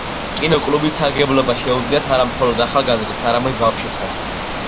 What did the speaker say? კინო კლუბით სარგებლობა შეუძლიათ არამხოლოდ ახალგაზრდებს, არამედ ბავშვებსაც.